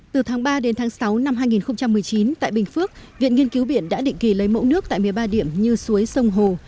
từ tháng ba đến tháng sáu năm hai nghìn một mươi chín tại bình phước viện nghiên cứu biển đã định kỳ lấy mẫu nước tại một mươi ba điểm như suối sông hồ